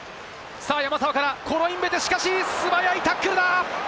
山沢からコロインベテ、しかし素早いタックルだ！